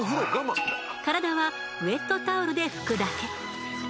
体はウェットタオルで拭くだけ。